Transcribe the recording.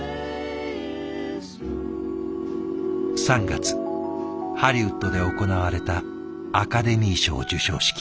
３月ハリウッドで行われたアカデミー賞授賞式。